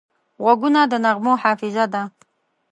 غوږونه د نغمو حافظه ده